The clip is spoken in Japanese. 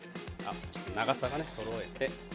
長さをそろえて。